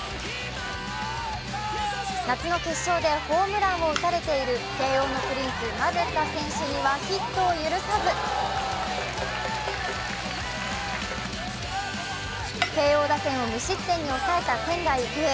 夏の決勝でホームランを打たれている慶応のプリンス・丸田選手にはヒットを許さず慶応打線を無失点に抑えた仙台育英。